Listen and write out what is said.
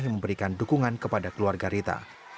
yang memberikan dukungan kepada keluarga rita